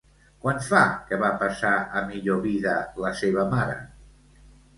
Quant fa que va passar a millor vida la seva mare?